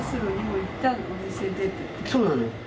そうなのよ。